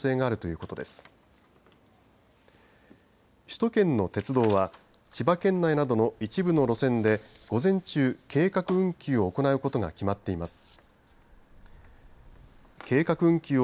首都圏の鉄道は千葉県内などの一部の路線で午前中、計画運休を行うことが決まっています。